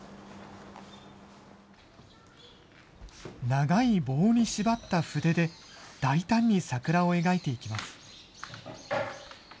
長い棒に縛った筆で、大胆に桜を描いていきます。